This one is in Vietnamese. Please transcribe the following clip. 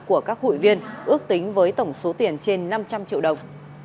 của các hội viên ước tính với tổng số tiền trên năm trăm linh triệu đồng